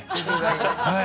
はい。